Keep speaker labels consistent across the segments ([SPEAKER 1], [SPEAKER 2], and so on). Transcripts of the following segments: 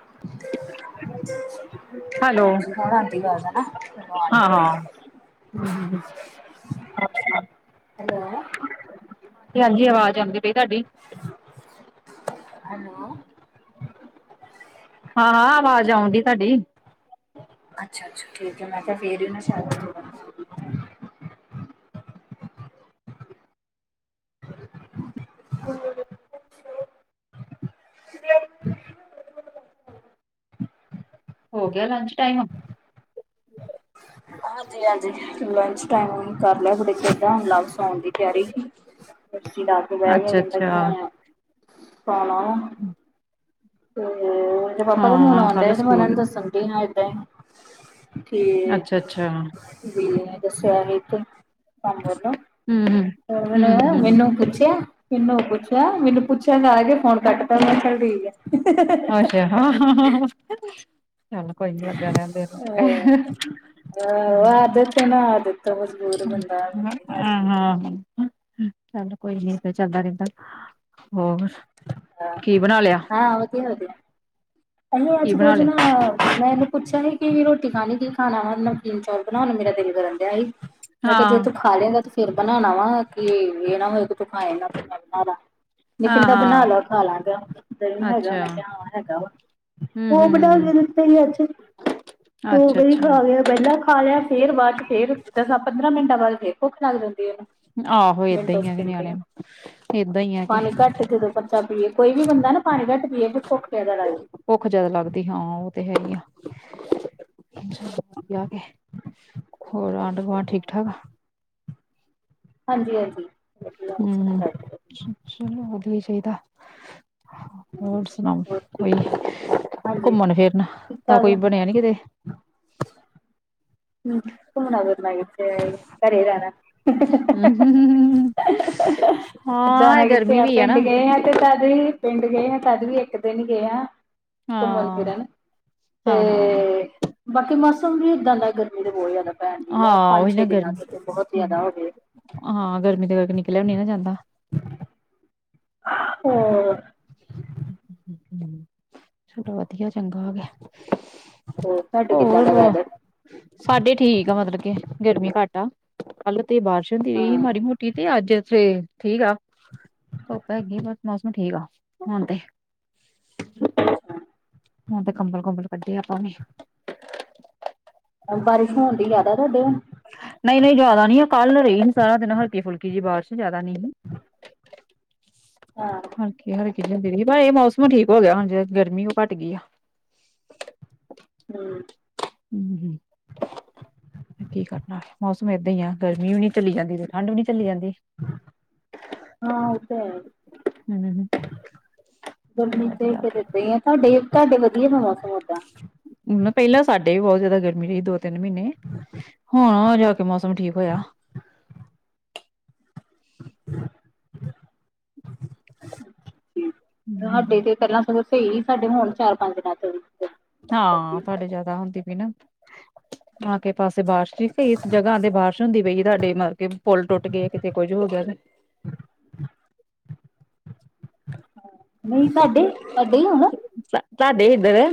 [SPEAKER 1] [inaudible]
[SPEAKER 2] Hello
[SPEAKER 1] ਹਾਂਜੀ ਹੁਣ ਆਂਦੀ ਆਵਾਜ਼ ਹੈ ਨਾ ਮੈਨੂੰ ਆ [unintelligible]
[SPEAKER 2] ਹੂੰ, ਹੂੰ, ਹੂੰ।
[SPEAKER 1] ਹੈਲੋ
[SPEAKER 2] ਹਾਂਜੀ-ਹਾਂਜੀ ਅਵਾਜ਼ ਆਂਦੀ ਪਈ ਤੁਆਡੀ।
[SPEAKER 1] ਹੈਲੋ।
[SPEAKER 2] ਹਾਂ-ਹਾਂ, ਆਵਾਜ਼ ਆਉਣ ਡੀ ਤੁਆਡੀ।
[SPEAKER 1] ਅੱਛਾ-ਅੱਛਾ ਠੀਕ ਐ ਮੈਂ ਕੇਆ ਫੇਰ ਈ ਨਾ [unintelligible] [unintelligible]
[SPEAKER 2] ਹੋ ਗਯਾ ਲੰਚ ਟਾਈਮ?
[SPEAKER 1] ਹਾਂਜੀ- ਹਾਂਜੀ ਲੰਚ ਟਾਈਮ ਕਰ ਲਿਆ, ਤੁਡੇ ਕਿਦਾਂ ਲਗ ਸੋਨ ਦੀ ਤਿਆਰੀ। ਬੱੱਚੀ ਲਾ ਕੇ ਬਹਿ ਗਿਆ
[SPEAKER 2] ਅੱਛਾ
[SPEAKER 1] ਕਹਿੰਦਾ ਕਿ
[SPEAKER 2] ਅੱਛਾ
[SPEAKER 1] ਮੈਂ ਪਾਣਾ ਵਾਂ। ਮੇਰੇ ਪਾਪਾ ਦਾ ਫੋਨ
[SPEAKER 2] ਹਾਂ ਕੱਲ
[SPEAKER 1] ਆਉਂਦਾ ਤੇ ਮੈ ਇਹਨਾ
[SPEAKER 2] ਸਕੂਲ
[SPEAKER 1] ਨੂੰ ਦੱਸਣ ਡਈ ਹਾਂ ਏਦਾਂ
[SPEAKER 2] ਅੱਛਾ-ਅੱਛਾ।
[SPEAKER 1] ਗਿਲੀਆ ਈ ਸੁਆਹ ਦੇ ਉਤੇ। ਹਾਂ ਬੋਲੋ
[SPEAKER 2] ਹਮ ਹਮ
[SPEAKER 1] ਫੇਰ ਮੈਨੂੰ
[SPEAKER 2] ਹਮ
[SPEAKER 1] ਐ
[SPEAKER 2] ਹਮ ਹਮ
[SPEAKER 1] ਮੈਨੂੰ ਪੁੱਛਿਆ ਮੈਨੂੰ ਪੁੱਛਿਆ, ਮੈਨੂੰ ਪੁੱਛਿਆ ਕਰ ਕੇ ਫੋਨ ਕੱਟ ਤਾ ਮੈਂ ਚਲ ਠੀਕ ਆ।
[SPEAKER 2] ਅੱਛਾ ਚੱਲ ਕੋਈ ਨੀ ਲੱਗਾ ਰਹਿਣ ਦੇ ਉਹਨੂੰ।
[SPEAKER 1] ਉਹ ਆਦਤ ਹੈ ਨਾ ਆਦਤ ਤੋਂ ਮਜਬੂਰ ਬੰਦਾ ਨਹੀਂ ਹਟ ਸਕਦਾ
[SPEAKER 2] ਹੂੰ। ਚੱਲ ਕੋਈ ਨੀ ਫੇਰ ਚੱਲਦਾ ਰਹਿੰਦਾ। ਹੋਰ ਕੀ ਬਣਾ ਲਿਆ
[SPEAKER 1] ਹਾਂ ਵਧੀਆ- ਵਧੀਆ!
[SPEAKER 2] ਕੀ
[SPEAKER 1] ਅਜ
[SPEAKER 2] ਬਣਾ
[SPEAKER 1] ਪੋਜ ਨਾ
[SPEAKER 2] ਲਿਆ
[SPEAKER 1] ਮੈਂ ਇਹਨੂੰ ਪੁੱਛਿਆ, ਰੋਟੀ ਖਾਣੀ ਕਿ ਖਾਣਾ, ਨਵਕੀਨ ਚੌਲ ਬਣਾਉਣ ਨੂੰ ਮੇਰਾ ਦਿਲ ਕਰਨ ਡਿਆ ਸੀ। ਮੈਂ ਕਿਹਾ ਜੇ
[SPEAKER 2] ਹਾਂ
[SPEAKER 1] ਤੂੰ ਖਾ ਲੇਗਾ ਤੇ ਫੇਰ ਬਣਾਣਾ ਆ, ਕਿ ਇਹ ਨਾ ਹੋਏ ਤੂੰ ਖਾਏ ਨਾ ਮੈਂ ਬਣਾਲਾ।
[SPEAKER 2] ਹਾਂ
[SPEAKER 1] ਕਹਿੰਦਾ ਬਣਾ
[SPEAKER 2] ਹਾਂ
[SPEAKER 1] ਲਾ, ਖਾ ਲਾਂਗਾ, ਦਹੀਂ ਹੈਗਾ,
[SPEAKER 2] ਅੱਛਾ
[SPEAKER 1] ਮੈਂ ਕਿਹਾ ਹਾਂ ਹੈਗਾ ਵਾ।
[SPEAKER 2] ਹਮ ਹਮ
[SPEAKER 1] ਬਣਾ
[SPEAKER 2] ਹਮ
[SPEAKER 1] ਕੇ ਦਿੱਤੇ ਸੀ ਅੱਜ, ਦੋ
[SPEAKER 2] ਅੱਛਾ
[SPEAKER 1] ਵਾਰੀ
[SPEAKER 2] ਅੱਛਾ
[SPEAKER 1] ਖਾ ਲੇ। ਫੇਰ ਪਹਿਲਾਂ ਖਾ ਲਿਆ, ਫੇਰ ਬਾਅਦ ਚ ਫੇਰ ਦਸਾਂ-ਪੰਦਰਾਂ ਮਿੰਟਾਂ ਬਾਅਦ ਫੇਰ ਭੁੱਖ ਲੱਗ ਜਾਂਦੀ ਐ ਏਨੂੰ।
[SPEAKER 2] ਆਹੋ ਏਦਾਂ ਈ ਆ ਨਿਆਣਿਆਂ ਨੂੰ, ਏਦਾਂ ਈ ਐ ਕੇ।
[SPEAKER 1] ਪਾਣੀ ਘੱਟ ਜਦੋਂ ਬੱਚਾ ਪੀਏ, ਕੋਈ ਵੀ ਬੰਦਾ ਨਾ ਪਾਣੀ ਘੱਟ ਪੀਏ ਭੁੱਖ ਜ਼ਿਆਦਾ ਲੱਗਦੀ ਏ।
[SPEAKER 2] ਭੁੱਖ ਜ਼ਿਆਦਾ ਲੱਗਦੀ, ਹਾਂ ਉਹ ਤੇ ਹੈਗੀ ਐ ਆ ਕੇ। ਹੋਰ ਆਂਢ-ਗੁਆਂਢ ਠੀਕ-ਠਾਕ?
[SPEAKER 1] ਹਾਂਜੀ-ਹਾਂਜੀ।
[SPEAKER 2] ਹੂੰ, ਚਲੋ ਵਧੀਆ ਚਾਹੀਦਾ। ਹੋਰ ਸੁਣਾਓ?
[SPEAKER 1] ਹੋਰ
[SPEAKER 2] ਕੋਈ
[SPEAKER 1] ਠੀਕ ਹੋ? ਹਾਂਜੀ
[SPEAKER 2] ਘੁੰਮਣ ਫਿਰਨ
[SPEAKER 1] ਠੀਕ
[SPEAKER 2] ਦਾ
[SPEAKER 1] ਠਾਕ
[SPEAKER 2] ਕੋਈ
[SPEAKER 1] ਆ।
[SPEAKER 2] ਬਣਿਆ
[SPEAKER 1] ਹੂੰ
[SPEAKER 2] ਨੀ ਕਿਤੇ?
[SPEAKER 1] ਹੂੰ ਘੁੰਮਣਾ ਫਿਰਨਾ ਏ। ਘਰੇ ਰਹਿਣਾ।
[SPEAKER 2] ਹਾਂ ਇਹ
[SPEAKER 1] ਜਾਣਾ ਕਿੱਥੇ
[SPEAKER 2] ਗਰਮੀ
[SPEAKER 1] ਆ,
[SPEAKER 2] ਵੀ
[SPEAKER 1] ਪਿੰਡ
[SPEAKER 2] ਨਾ
[SPEAKER 1] ਗਏ ਆ ਤੇ ਤਦ ਵੀ- ਪਿੰਡ ਗਏ ਆ ਤਦ ਵੀ, ਇੱਕ ਦਿਨ ਗਏ ਆ। ਘੁੰਮਣ
[SPEAKER 2] ਹਾਂ
[SPEAKER 1] ਫਿਰਨ
[SPEAKER 2] ਹਾਂ ਹਾਂ
[SPEAKER 1] ਤੇ ਬਾਕੀ ਮੌਸਮ ਵੀ ਏਦਾਂ ਦਾ ਗਰਮੀ ਮੇਰੇ ਬਹੁਤ ਜ਼ਿਆਦਾ ਭੈਣ ਦੀ ਯਾਰ,
[SPEAKER 2] ਹਾਂ ਉਹੀ
[SPEAKER 1] ਪੰਜ-ਛੇ
[SPEAKER 2] ਨਾ
[SPEAKER 1] ਦਿਨਾਂ
[SPEAKER 2] ਗਰਮੀ
[SPEAKER 1] ਤੋਂ ਬਹੁਤ ਜ਼ਿਆਦਾ ਹੋ ਗੇ।
[SPEAKER 2] ਹਾਂ, ਗਰਮੀ ਦੇ ਕਰਕੇ ਨਿਕਲਿਆ ਵੀ ਨੀ ਨਾ ਜਾਂਦਾ।
[SPEAKER 1] ਹੂੰ।
[SPEAKER 2] ਹੂੰ। ਚਲੋ ਵਧੀਆ ਚੰਗਾ ਹੋ ਗਿਆ।
[SPEAKER 1] ਹੋਰ ਤੁਹਾਡੇ ਕਿੱਦਾਂ
[SPEAKER 2] ਹੋਰ
[SPEAKER 1] ਦਾ ਵੈਦਰ?
[SPEAKER 2] ਸਾਡੇ ਠੀਕ ਆ ਮਤਲਬ ਕੇ, ਗਰਮੀ ਘੱਟ ਆ। ਕੱਲ ਤੇ ਬਾਰਿਸ਼ ਹੁੰਦੀ ਰਹੀ
[SPEAKER 1] ਹੂੰ।
[SPEAKER 2] ਮਾੜੀ ਮੋਟੀ, ਤੇ ਅੱਜ ਤੇ ਠੀਕ ਆ। ਧੁੱਪ ਹੈਗੀ ਬਸ ਮੌਸਮ ਠੀਕ ਆ ਹੁਣ ਤੇ।
[SPEAKER 1] ਅੱਛਾ।
[SPEAKER 2] ਹੁਣ ਤੇ ਕੰਬਲ-ਕੁੰਬਲ ਕੱਢੇ ਆਪਾਂ ਨੇ।
[SPEAKER 1] ਬਾਰਿਸ਼ ਹੋਣ ਦੀ ਜ਼ਿਆਦਾ ਤੁਹਾਡੇ?
[SPEAKER 2] ਨਹੀਂ-ਨਹੀਂ ਜਿਆਦਾ ਨੀ ਆ, ਕੱਲ ਰਹੀ ਸਾਰਾ ਦਿਨ ਹਲਕੇ ਫੁਲਕੀ ਜਿਹੀ ਬਾਰਿਸ਼, ਜ਼ਿਆਦਾ ਨੀ ਸੀ।
[SPEAKER 1] ਹਾਂ।
[SPEAKER 2] ਹਲਕੀ-ਹਲਕੀ ਜੀ ਹੁੰਦੀ ਰਹੀ, ਪਰ ਇਹ ਮੌਸਮ ਠੀਕ ਹੋ ਗਿਆ ਹੁਣ ਜੇ ਗਰਮੀ ਓ ਘੱਟ ਗਈ ਆ।
[SPEAKER 1] ਹੂੰ।
[SPEAKER 2] ਹਮ ਕੀ ਕਰਨਾ ਮੌਸਮ ਏਦਾਂ ਈ ਆ ਗਰਮੀ ਵੀ ਨੀ ਚਲੀ ਜਾਂਦੀ ਤੇ ਠੰਢ ਵੀ ਨੀ ਚਲੀ ਜਾਂਦੀ।
[SPEAKER 1] ਹਾਂ ਓ ਤਾਂ ਹੈ
[SPEAKER 2] ਹਮ
[SPEAKER 1] ਈ।
[SPEAKER 2] ਚਲੋ
[SPEAKER 1] ਗਰਮੀ ਚ
[SPEAKER 2] ਵਧੀਆ
[SPEAKER 1] ਤੇ ਫੇਰ ਏਦਾ ਈ ਆ ਤੁਹਾਡੇ-ਤੁਹਾਡੇ ਵਧੀਆ ਦਾ ਮੌਸਮ ਓਦਾਂ?
[SPEAKER 2] ਪੈਲਾਂ ਸਾਡੇ ਵੀ ਬੋਤ ਜਾਦਾ ਗਰਮੀ ਰਹੀ ਦੋ-ਤਿੰਨ ਮੀਨੇ ਹੁਣ ਓ ਜਾ ਕੇ ਮੌਸਮ ਠੀਕ ਹੋਇਆ।
[SPEAKER 1] [inaudible]
[SPEAKER 2] [inaudible]
[SPEAKER 1] ਸਾਡੇ ਤੇ ਪੈਲਾਂ ਸਗੋਂ ਸੀ ਸਾਡੇ ਹੁਣ ਚਾਰ-ਪੰਜ ਦਿਨਾਂ [unintelligible]
[SPEAKER 2] ਹਾਂ ਤੁਹਾਡੇ ਜਾਦਾ ਹੁੰਦੀ ਪਈ ਨਾ ਅੱਗੇ-ਪਾਸੇ ਪਾਸੇ ਬਾਰਿਸ਼ [unintelligible] ਕਈ ਜਗ੍ਹਾ ਤੇ ਬਾਰਿਸ਼ ਹੁੰਦੀ ਪਈ ਆ ਤੁਹਾਡੇ ਮਤਲਬ ਕੇ ਪੁਲ ਟੁੱਟਗੇ, ਕਿਤੇ ਕੁੱਝ ਹੋ ਗਿਆ
[SPEAKER 1] ਨਈ ਸਾਡੇ-ਸਾਡੇ ਹੀ [unintelligible] ਨਾ।
[SPEAKER 2] ਤਾਂਡੇ ਇਧੱਰ।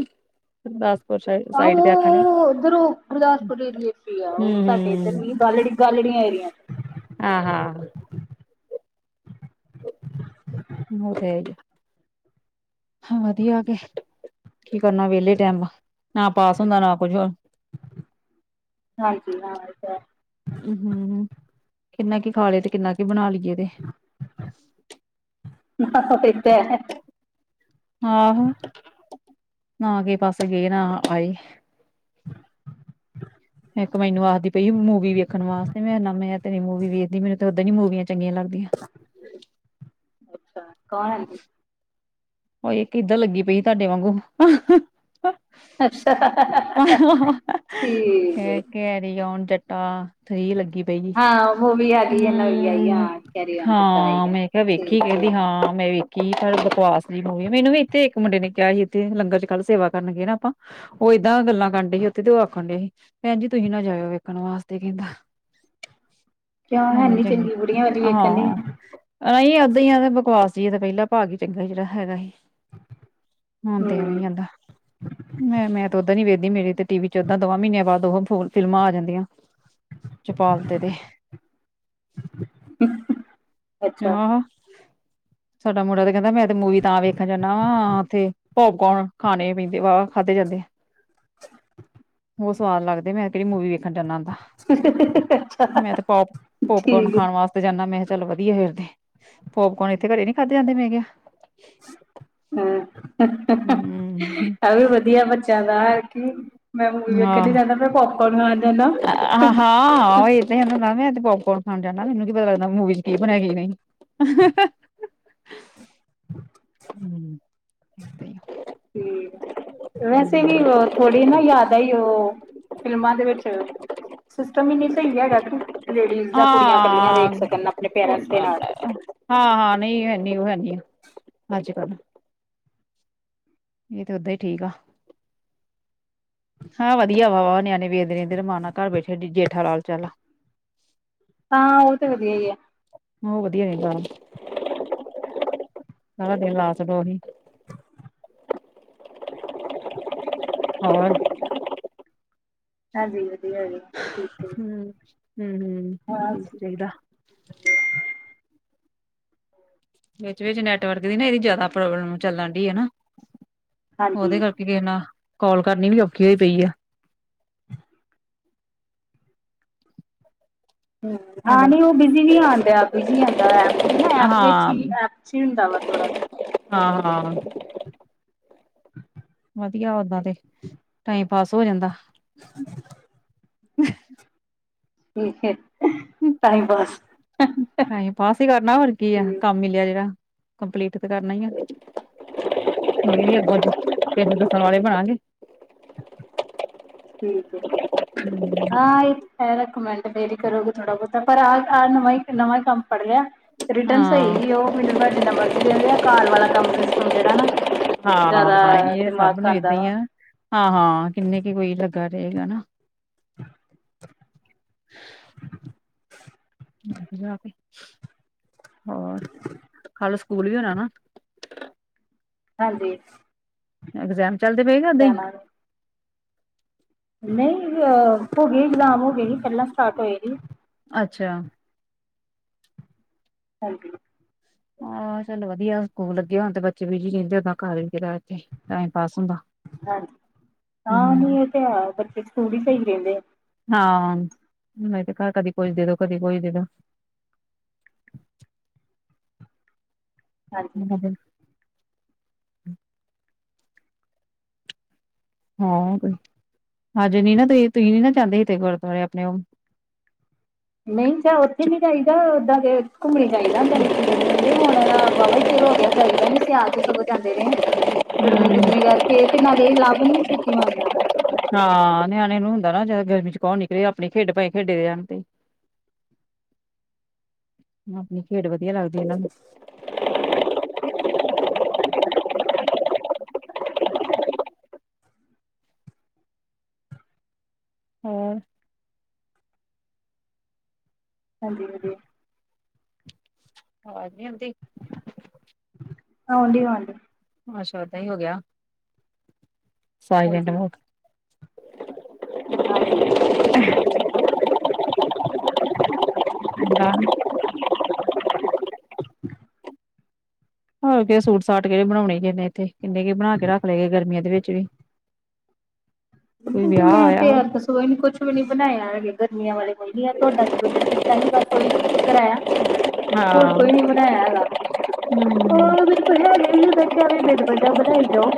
[SPEAKER 1] ਆਹੋ ਉੱਧਰੋਂ ਗੁਰਦਾਸਪੁਰ ਏਰੀਏ ਚ ਈ ਆ ਓ ਸਾਡੇ ਇਧੱ‌ਰ
[SPEAKER 2] ਹੂੰ-ਹੂੰ
[SPEAKER 1] ਨੀ ਗਾਲੜੀ ਗੱਲੜੀਆਂ ਏਰੀਆਂ
[SPEAKER 2] ਹਾਂ-ਹਾਂ [unintelligible] ਹਾਂ ਵਧੀਆ ਗੇ ਕੀ ਕਰਨਾ ਵੇਲੇ ਟੈਮ ਨਾ ਪਾਸ ਹੁੰਦਾ ਨਾ ਕੁਝ ਹੋਰ
[SPEAKER 1] ਹਾਂਜੀ ਹਾਂ ਏ ਤਾਂ ਹੈ।
[SPEAKER 2] ਅ ਹੂੰ-ਹੂੰ ਕਿੰਨਾ ਕੀ ਖਾ ਲੇ ਤੇ ਕਿੰਨਾ ਕੀ ਬਣਾ ਲਈਏ ਤੇ
[SPEAKER 1] [inaudible]
[SPEAKER 2] ਆਹੋ ਨਾ ਕੀ ਪਾਸੇ ਗਏ ਨਾ ਆਏ। ਮ ਇੱਕ ਮੈਨੂੰ ਆਖਦੀ ਪਈ ਮੂਵੀ ਵੇਖਣ ਵਾਸਤੇ ਮੈਂ ਨਾ ਮੈਂ ਤੇਰੀ ਮੂਵੀ ਵੇਖਦੀ ਮੈਨੂੰ ਤਾਂ ਉੱਦਾਂ ਨੀ ਮੂਵੀਆਂ ਚੰਗੀਆਂ ਲੱਗਦੀਆਂ।
[SPEAKER 1] ਅੱਛਾ ਕੋਣ [unintelligible]
[SPEAKER 2] ਓਈ ਇੱਕ ਕਿੱਧਾਂ ਲੱਗੀ ਪਈ ਤੁਹਾਡੇ ਵਾਂਗੂ।
[SPEAKER 1] ਅੱਛਾ ਠੀਕ
[SPEAKER 2] ਕੈ
[SPEAKER 1] ਏ।
[SPEAKER 2] ਕੈਰੀ ਓਨ ਜੱਟਾ ਥ੍ਰੀ ਲੱਗੀ ਪਏਗੀ
[SPEAKER 1] ਹਾਂ ਮੂਵੀ ਹੈਗੀ ਏ ਨਵੀਂ ਆਈ
[SPEAKER 2] ਹੂੰ
[SPEAKER 1] ਹਾਂ ਕੈਰੀ ਔਨ ਜੱਟਾ ਆਈ
[SPEAKER 2] ਹਾਂ
[SPEAKER 1] ਐ।
[SPEAKER 2] ਮੈਂ ਕਿਆ ਵੇਖੀ
[SPEAKER 1] ਠੀਕ ਠੀਕ
[SPEAKER 2] ਕੇਂਦੀ ਹਾਂ ਮੈਂ ਵੇਖੀ ਪਰ ਬਕਵਾਸ ਜੀ ਮੂਵੀ ਮੈਨੂੰ ਵੀ ਇੱਥੇ ਇੱਕ ਮੁੰਡੇ ਨੇ ਕਿਆ ਹੀ ਇੱਥੇ ਲੰਗਰ ਚ ਕੱਲ੍ਹ ਸੇਵਾ ਕਰਨਗੇ ਨਾ ਆਪਾਂ ਓ ਏਦਾਂ ਗੱਲਾਂ ਕਰਨ ਡੇ ਉੱਥੇ ਤੇ ਓ ਆਖਣ ਡਏ ਸੀ ਭੈਣ ਜੀ ਤੁਸੀਂ ਨਾ ਜਾਇਓ ਵੇਖਣ ਵਾਸਤੇ ਕੈਂਦਾ।
[SPEAKER 1] ਕਿਉਂ ਹੈਨੀ ਚੰਗੀ ਬੁੜੀਆਂ ਵਾਰੀ ਵੇਖਣ [unintelligible]
[SPEAKER 2] ਅਈ ਓਦਾ ਈ ਜਾਦਾ ਬਕਵਾਸ [unintelligible] ਤੇ ਪੈਲਾ ਭਾਗ ਈ ਚੰਗਾ ਜੇੜਾ ਹੈਗਾ ਹੀ। ਹੁਣ ਤੇ ਐਵੇ
[SPEAKER 1] ਹੂੰ।
[SPEAKER 2] ਈ ਆਂਦਾ। ਮੈਂ-ਮੈਂ ਤਾਂ ਉਦਾਂ ਨੀ ਵੇਖਦੀ ਮੇਰੀ ਤੇ ਟੀ ਵੀ ਚ ਓਦਾਂ ਦੋਵਾਂ ਮੀਨਿਆਂ ਬਾਦ ਓਹ ਫ ਫਿਲਮਾਂ ਆ ਜਾਂਦੀਆਂ। ਚਪਾਲ ਤੇ-ਤੇ।
[SPEAKER 1] [inaudible]
[SPEAKER 2] [unintelligible] ਸਾਡਾ ਮੁੰਡਾ ਤਾਂ ਕੈਂਦਾ ਮੈਂ ਤੇ ਮੂਵੀ ਤਾਂ ਵੇਖਣ ਜਾਂਨਾ ਵਾਂ ਉੱਥੇ ਪੋਪਕੋਰਨ ਖਾਣੇ ਪੀਦੇ ਵਾਵਾ ਖਾਂਦੇ ਜਾਂਦੇ‌‌।
[SPEAKER 1] [inaudible]
[SPEAKER 2] ਓ ਸਵਾਦ ਲੱਗਦੇ ਮੈਂ ਕੇਰੀ ਮੂਵੀ ਵੇਖਣ ਜਾਂਦਾ ਹੁੰਦਾ।
[SPEAKER 1] ਅੱਛਾ
[SPEAKER 2] ਮੈਂ ਤੇ ਪੋਪ ਪੋਪਕੋਨ
[SPEAKER 1] ਠੀਕ
[SPEAKER 2] ਖਾਣ ਵਾਸ ਤੇ ਜਾਂਨਾ ਮੈਂਹਾ ਚੱਲ ਵਧੀਆ ਫੇਰ‌ ਤੇ ਪੋਪਕੋਨ ਇੱਥੇ ਘਰੇ ਨੀ ਖਾਦੇ ਜਾਂਦੇ ਮੈਂ ਕਿਆ ਹਮ
[SPEAKER 1] [unintelligible] ਆ ਵੀ ਵਧੀਆ ਬੱਚਿਆਂ ਦਾ ਮੈਂ ਮੂਵੀ ਵੇਖਣ‌ ਨੀਂ
[SPEAKER 2] ਹਾਂ
[SPEAKER 1] ਜਾਂਦਾ ਮੈ ਪੋਪਕੋਰਨ ਖਾਣ ਜਾਂਨਾ।
[SPEAKER 2] ਤੇ ਨਾ ਮੈਂ ਪੋਪਕੋਰਨ ਖਾਣ ਜਾਣਾ ਮੈਨੂੰ ਕੀ ਪਤਾ ਲੱਗਦਾ ਮੂਵੀ ਚ ਕੀ ਬਣਿਆ ਕੀ ਨਈ।
[SPEAKER 1] [inaudible]
[SPEAKER 2] ਹਮ ਏਦਾਂ ਹੀ
[SPEAKER 1] ਠੀਕ ਐ ਵੈਸੇ ਵੀ ਬੋ ਥੋੜੀ ਨਾ ਜਾਦਾ ਈ ਓ ਫਿਲਮਾਂ ਦੇ ਵਿੱਚ ਸਿਸਟਮ ਨੀ ਸਈ ਹੈਗਾ ਕੀ ਲੇਡੀਜ਼ ਜਾਂ ਕੁੜੀਆਂ ਕੱਲੀਆਂ
[SPEAKER 2] ਹਾਂ
[SPEAKER 1] ਵੇਖ ਸਕਨ ਆਪਨੇ ਪੇਰੈਂਟਸ ਦੇ ਨਾਲ
[SPEAKER 2] ਹਾਂ-ਹਾਂ ਨਈਂ ਹੈਨੀ ਓ ਹੈਨੀ ਅੱਜ-ਕੱਲ। ਏ ਤੇ ਓਦਾਂ ਈ ਠੀਕ ਆ। ਹਾਂ ਵਦੀਆ ਵਾ ਵਾ ਨਿਆਨੇ ਵੇਖਦੇ ਰੈਂਦੇ ਰਮਾਨਾ ਘਰ ਬੈਠੇ ਜੇਠਾ ਲਾਲ ਚੱਲ।
[SPEAKER 1] ਹਾਂ ਓ ਤੇ ਵਦੀਆ ਈ ਐ।
[SPEAKER 2] ਓ ਵਦੀਆ ਰੈਂਦਾ, ਸਾਰਾ ਦਿਨ ਲਾ ਕੇ ਦੋ ਓਨੂੰ। ਹੋਰ
[SPEAKER 1] ਤਾਜੀਵ
[SPEAKER 2] ਹੂੰ-ਹੂੰ-ਹੂੰ
[SPEAKER 1] ਹਾਂ
[SPEAKER 2] ਠੀਕ ਚਾਈਦਾ। ਵਿਚ-ਵਿਚ ਨੈਟਵਰਕ ਦੀ ਨਾ ਏਦੀ ਜਾਦਾ ਪ੍ਰੋਬਲਮ ਚੱਲਣ ਡਈ ਐ ਨਾ ਓਦੇ
[SPEAKER 1] ਹਾਂਜੀ
[SPEAKER 2] ਕਰ ਕੇ ਨਾ ਕੌਲ ਕਰਨੀ ਵੀ ਔਖੀ ਹੋਈ ਪਈ ਆ।
[SPEAKER 1] ਹੂੰ, ਹਾਂ
[SPEAKER 2] ਹੈਲੋ
[SPEAKER 1] ਨਈਂ ਓ ਬਿਜੀ ਵੀ ਆਨ ਡੇਆ ਬਿਜੀ ਆਂਦਾ ਐਪ ਵੀ ਨਾ ਐਪ ਵਿੱਚ
[SPEAKER 2] ਹਾਂ,
[SPEAKER 1] ਵੀ ਐਪ ਛਿਨਦਾ ਵਾ ਥੋੜਾ।
[SPEAKER 2] ਹਾਂ-ਹਾਂ।
[SPEAKER 1] [inaudible]
[SPEAKER 2] ਵਦੀਆ ਓਦਾਂ ਤੇ, ਟਾਈਮ ਪਾਸ ਹੋ ਜਾਂਦਾ।
[SPEAKER 1] ਠੀਕ ਏ, ਟਾਈਮ ਪਾਸ
[SPEAKER 2] ਟਾਈਮ ਪਾਸ ਈ ਕਰਨਾ ਹੋਰ ਕੀ ਆ
[SPEAKER 1] ਠੀਕ
[SPEAKER 2] ਕੰਮ ਮਿਲਿਆ ਜੇੜਾ। ਕੰਪਲੀਟ ਤੇ ਕਰਨਾ ਈ ਆ,
[SPEAKER 1] ਹਾਂ
[SPEAKER 2] ਅੱਗੋਂ ਫੇਰ ਦੱਸਨ ਵਾਲੇ ਬਨਾਗੇ।
[SPEAKER 1] ਠੀਕ ਐ।
[SPEAKER 2] ਹੂੰ।
[SPEAKER 1] ਹਾਂ ਏ ਤੇ ਹੈ ਰਕਮੈਂਡ ਫੇਰ ਈ ਕਰੋਗੇ ਥੋੜਾ ਬੋਤਾ ਪਰ ਆਹ ਨਈ ਨਵਾਂ ਕੰਮ ਫੜ ਲੇਆ। ਰਿਟਰਨ ਸਈ
[SPEAKER 2] ਹਾਂ,
[SPEAKER 1] ਸੀ ਓ ਮੈਨੂੰ ਫੇਰ ਜਿੰਨਾ ਮਰਜ਼ੀ ਦੇਂਦੇ ਆ ਘਰ ਆਲਾ ਕੰਮ ਸਿਸਟਮ ਜੇੜਾ ਨਾ ਜਾਦਾ
[SPEAKER 2] ਹਾਂ ਇਹ
[SPEAKER 1] ਦਿਮਾਗ
[SPEAKER 2] ਸਭ ਨੂੰ
[SPEAKER 1] ਖਾਂਦਾ
[SPEAKER 2] ਏਦਾਂ ਹੀ
[SPEAKER 1] ਵਾ।
[SPEAKER 2] ਆ ਹਾਂ-ਹਾਂ ਕਿੰਨੇ ਕੁ ਕੋਈ ਲੱਗਾ ਰਏਗਾ ਨਾ। ਜਾ ਕੇ ਹੋਰ ਕਾਂਲੂ ਸਕੂਲ ਵੀ ਹੋਨਾ ਨਾ।
[SPEAKER 1] ਹਾਂਜੀ।
[SPEAKER 2] ਐਗਜਾਮ ਚੱਲਦੇ ਪਏ ਨੇ ਓਦਾਂ ਈ।
[SPEAKER 1] ਨਈਂ ਅ ਹੋ ਗਏ ਐਗਜਾਮ ਹੋਗੇ ਨੀ ਪੈਲਾਂ ਸਟਾਟ ਹੋਏਗੀ।
[SPEAKER 2] ਅੱਛੇਆ।
[SPEAKER 1] ਹਾਂਜੀ।
[SPEAKER 2] ਹਾਂ ਚੱਲ ਵਦੀਆ ਸਕੂਲ ਲੱਗੇ ਹੋਨ ਤੇ ਬੱਚੇ ਵੀ ਬਿਜੀ ਰੈਂਦੇ ਆ ਘਰ ਵੀ ਇਥੇ ਕੇਵੜਾ ਟਾਈਮ ਪਾਸ ਹੁੰਦਾ।
[SPEAKER 1] ਹਾਂਜੀ, ਹਾਂ ਨਈ
[SPEAKER 2] ਹੂੰ
[SPEAKER 1] ਏ ਤੇ ਹੈ ਬੱਚੇ ਸਕੂਲ ਈ ਸਈ ਰੈਂਦੇ ਐ।
[SPEAKER 2] ਹਾਂ ਤੇ ਘਰ ਕਦੀ ਕੁਝ ਦੇਦੋ ਕਦੀ ਕੁਝ ਦੇਦੋ।
[SPEAKER 1] ਹਾਂਜੀ
[SPEAKER 2] [inaudible] ਹਾਂ ਕੋ, ਹਜੇ ਨੀ ਨਾ ਤੁਸੀਂ-ਤੁਸੀਂ ਨੀ ਨਾ ਚਾਂਦੇ ਸੀ ਤੇ ਗੁਰਦੁਆਰੇ ਆਪਨੇ ਓ
[SPEAKER 1] ਨਈਂ ਚ ਓਥੇ ਨੀ ਚਾਈਦਾ ਓਦਾਂ ਘੁੰਮਨੀ ਚਾਈਦਾ ਹੁੰਦਾ ਸੰਡੇ ਦੇ ਸੰਡੇ ਹੁਨ ਨਾ ਸ਼ੁਰੂ ਹੋ ਗੇਆ ਚਾਈਦਾ ਨੀ ਸਿਆਲ ਚ ਸਗੋਂ ਜਾਂਦੇ ਰਏ ਆ, ਗਰਮੀ
[SPEAKER 2] ਹੂੰ,
[SPEAKER 1] ਗੁਰਮੀ ਕਰਕੇ ਤੇ ਨਾਲੇ ਏ ਲਾਭ ਈ ਨੀ ਛੇਤੀ ਮੰਨਦਾ
[SPEAKER 2] ਹਾਂ ਨਿਆਣੇ ਨੂੰ ਹੁੰਦਾ ਨਾ ਜਿਆਦਾ ਗਰਮੀ ਚ ਕਓ ਨਿਕਲੇ ਆਪਨੀ ਖੇਡ ਭਾਏ ਖੇਡੇ ਦੇ ਜਾਨ ਤੇ। ਆਪਨੀ ਖੇਡ ਵਦੀਆ ਲੱਗਦੀ ਐ ਏਨਾਂ ਨੂੰ। ਹੋਰ
[SPEAKER 1] ਹਾਂਜੀ-ਹਾਂਜੀ।
[SPEAKER 2] ਵਾਜ ਨੀ ਹੁੰਦੀ।
[SPEAKER 1] ਔਣ ਡੀ ਆ ਔਣਡੀ।
[SPEAKER 2] ਅੱਛਾ ਉਦਾਂ ਈ ਹੋ ਗਿਆ, ਸਾਈਲਟ
[SPEAKER 1] ਹਾਂਜੀ
[SPEAKER 2] ਹੋ।
[SPEAKER 1] ਹਾਂਜੀ।
[SPEAKER 2] [inaudible]
[SPEAKER 1] [inaudible]
[SPEAKER 2] ਹੋਰ ਕੀਆ ਸੂਟ ਸਾਟ ਕੇੜੇ ਬਣਾਉਣੇ ਕਿੰਨੇ ਇੱਥੇ ਕਿੰਨੇ ਕੇ ਈ ਬਣਾ ਕੇ ਰੱਖ ਲੇ ਗੇ ਗਰਮੀਆਂ ਦੇ ਵਿੱਚ ਵੀ। ਕੋਈ
[SPEAKER 1] ਕਿਉਂਕਿ
[SPEAKER 2] ਵਿਆਹ
[SPEAKER 1] ਮੈਂ ਤੇ
[SPEAKER 2] ਆਇਆ
[SPEAKER 1] ਯਾਰ ਦੱਸੋ ਏਨੂੰ ਕੁਛ ਵੀ ਨੀ ਬਣਾਇਆ ਹੈਗੇ ਗਰਮੀਆਂ ਵਾਲੇ ਕੋਈ ਨੀ ਐ ਤੁਹਾਡਾ ਸਲੜ ਦਿੱਤਾ ਹੀ ਬਸ ਉਈ ਕਰਾਇਆ
[SPEAKER 2] ਹਾਂ
[SPEAKER 1] ਹੋਰ ਕੋਈ ਨੀ ਬਣਾਇਆ ਹੈਗਾ।
[SPEAKER 2] ਹੂੰ।
[SPEAKER 1] ਹੋਰ ਮੈਨੂੰ ਵਧੀਆ ਹੈਗੇ ਵੀ ਵੇਖਿਆ ਕੀ ਵੀ ਬਿਨ ਵਜਾ ਬਣਾਈ ਜਾਓ।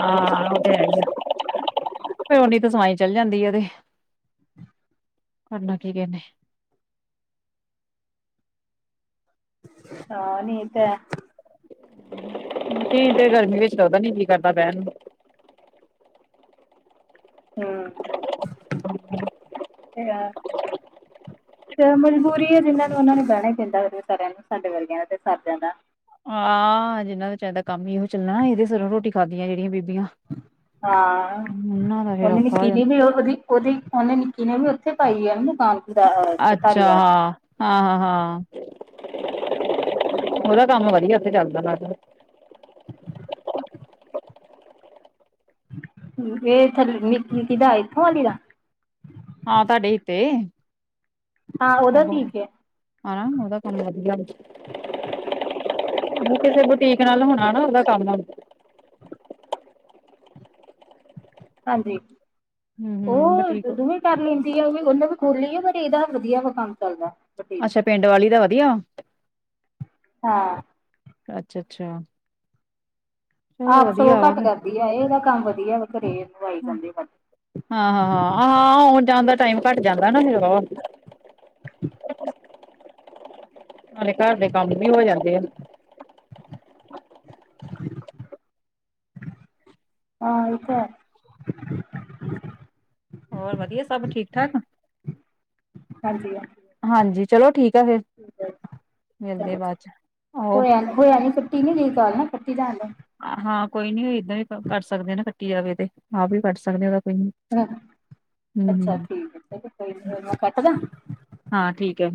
[SPEAKER 2] ਹਾਂ ਓ ਤੇ ਹੈਈ ਏ ਫੇਰ ਉਨੀ ਤਾਂ ਸਵਾਈ ਚੱਲ ਜਾਂਦੀ ਉਦੇ ਕਰਨਾ ਕੀ ਕੈਂਨੇ।
[SPEAKER 1] ਹਾਂ ਨਈ ਤੈ
[SPEAKER 2] ਈ ਤੇ ਗਰਮੀ ਵਿੱਚ ਲਗਦਾ ਨੀ ਕੀ ਕਰਦਾ ਬੈ ਨੂੰ।
[SPEAKER 1] ਹੂੰ।
[SPEAKER 2] [inaudible]
[SPEAKER 1] ਫੇਰ ਮਜਬੂਰੀ ਏ ਜਿਨਾਂ ਨੂੰ ਉਨਾ ਨੂੰ ਬੈਂਣਾ ਏ ਪੈਂਦਾ ਫੇਰ ਓ ਸਾਰਿਆਂ ਨੂੰ ਸਾਡੇ ਵਰਗਿਆਂ ਦਾ ਤੇ ਸਰ ਜਾਂਦਾ।
[SPEAKER 2] ਆ‌ ਜਿੰਨਾ ਦਾ ਚਰਦਾ ਕੰਮ ਈ ਏਹੋ ਚੱਲਣਾ ਇਦੇ ਸਿਰੋਂ ਰੋਟੀ ਖਾਂਦੀਆਂ ਜੇੜੀਆਂ ਬੀਬੀਆਂ।
[SPEAKER 1] ਹਾਂ
[SPEAKER 2] ਉਹਨਾਂ ਦਾ ਫੇਰ
[SPEAKER 1] ਹੁਣ ਏਨੀ
[SPEAKER 2] ਔਖਾ ਹੋ
[SPEAKER 1] ਕਿਲੀ ਨੀ ਓ ਵਧੀ ਉਦੀ ਉਨੇ ਨਿੱਕੀ ਨੇ ਵੀ ਉੱਥੇ ਪਾਈ ਐ ਦੁਕਾਨ।
[SPEAKER 2] ਅੱਛਾ
[SPEAKER 1] ਧਾਰੀਵਾਲ
[SPEAKER 2] ਹਾਂ। ਹਾਂ-ਹਾਂ, ਉਦਾ ਕੰਮ ਵਧੀਆ ਉੱਥੇ ਚੱਲਦਾ ਬਾਹਰ।
[SPEAKER 1] [inaudible] ਏ ਥਾ ਕੀ ਨੀ ਕੀਦਾ ਏਥੋਂ ਆਲੀ ਦਾ।
[SPEAKER 2] ਹਾਂ ਤੁਹਾਡੇ ਈ ਤੇ।
[SPEAKER 1] ਹਾਂ ਉਦਾ
[SPEAKER 2] ਅੱਗੋਂ
[SPEAKER 1] ਠੀਕ ਐ।
[SPEAKER 2] ਹਨਾ ਉਦਾ ਕੰਮ ਵਧੀਆ ਵੇ। ਹੋਰ ਕਿਸੇ ਬੁਟੀਕ ਨਾਲ ਹੋਣਾ ਨਾ ਉਦਾ ਕੰਮ।
[SPEAKER 1] ਹਾਂਜੀ, ਓ
[SPEAKER 2] ਹਮ ਬੁਟੀਕ
[SPEAKER 1] ਦੋਵੇਂ ਕਰ ਲੈਂਦੀ ਆ ਓ ਵੀ ਉਨੇ ਵੀ ਖੋਲੀ ਆ ਪਰ ਏਦਾ ਵਧੀਆ ਵਾ ਕੰਮ ਚੱਲਦੈ।
[SPEAKER 2] ਅੱਛਾ ਪਿੰਡ ਵਾਲੀ ਦਾ ਵਧੀਆ।
[SPEAKER 1] ਹਾਂ।
[SPEAKER 2] ਅੱਛਾ-ਅੱਛਾ।
[SPEAKER 1] ਆਪ ਸਗੋਂ
[SPEAKER 2] ਵਾ
[SPEAKER 1] ਘੱਟ
[SPEAKER 2] ਫਿਰ
[SPEAKER 1] ਕਰਦੀ ਆ ਏਦਾ ਕੰਮ ਵਧੀਆ ਵਾ ਘਰੇ ਖਵਾਈ ਜਾਂਦੀ ਵੱਧ।
[SPEAKER 2] ਹਾਂ-ਹਾਂ-ਹਾਂ ਅਹਾ ਹੋਣ ਜਾਣ ਦਾ ਟਾਈਮ ਘੱਟ ਜਾਂਦਾ ਨਾ ਫੇਰ ਵਾਵਾ ਨਾਲੇ ਘਰ ਦੇ ਕੰਮ ਵੀ ਹੋ ਜਾਂਦੇ ਆ।
[SPEAKER 1] ਆਹੀ ਤਾਂ। [inaudible]
[SPEAKER 2] ਹੋਰ ਵਧੀਆ ਸਭ ਠੀਕ ਠਾਕ।
[SPEAKER 1] ਹਾਂਜੀ ਹਾਂ।
[SPEAKER 2] ਹਾਂਜੀ ਚਲੋ ਠੀਕ ਐ ਫੇਰ, ਮਿਲਦੇ
[SPEAKER 1] ਚਲੋ
[SPEAKER 2] ਬਾ ਚ
[SPEAKER 1] ਹੋਇਆ
[SPEAKER 2] ਓਕੇ।
[SPEAKER 1] ਹੋਇਆ ਨੀ ਫੇਰ ਤੀ ਮਿੰਨਤ ਹੋਰ ਨਾ ਕੱਟੀ ਜਾਣ ਦਾ।
[SPEAKER 2] ਹਾਂ, ਕੋਈ ਨੀ ਏਦਾਂ ਵੀ ਕੱਟ ਸਕਦੇ ਨਾ ਕੱਟੀ ਜਾਵੇ ਤੇ ਆਪ ਵੀ ਕੱਟ ਸਕਦੇ ਉਹਦਾ ਕੋਈ ਨੀ। ਹੂੰ
[SPEAKER 1] ਅੱਛਾ,
[SPEAKER 2] ਹੂੰ।
[SPEAKER 1] ਠੀਕ ਹੈ, ਫੈਰ [unintelligible] ਕੱਟ ਦਾ।
[SPEAKER 2] ਹਾਂ, ਠੀਕ ਹੈ।